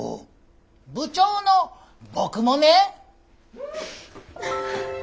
部長の僕もね！